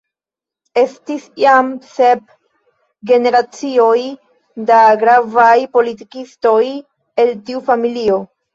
Estis jam sep generacioj da gravaj politikistoj el tiu familio.